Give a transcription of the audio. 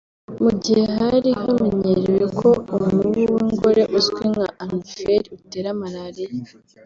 Mu gihe hari hameneyerewe ko umubu w’ingore uzwi nka anophere utera Malariya